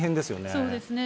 そうですね。